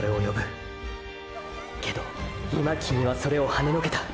けど今キミはそれをはねのけた！！